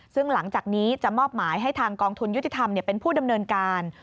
ซึ่งหลังจากนี้จะมอบหมายให้ทางกองทุนยุติธรรมเป็นผู้ดำเนินการ